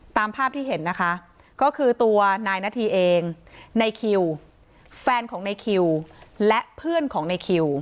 ตามภาพที่เห็นนะคะก็คือตัวนายนาธีเองในคิวแฟนของในคิวและเพื่อนของในคิว